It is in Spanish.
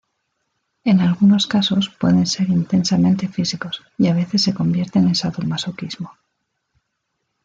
En algunos casos pueden ser intensamente físicos, y a veces se convierten en sadomasoquismo.